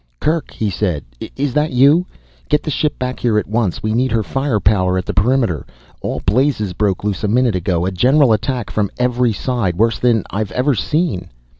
"Kerk," he said, "is that you? Get the ship back here at once. We need her firepower at the perimeter. All blazes broke loose a minute ago, a general attack from every side, worse than I've ever seen."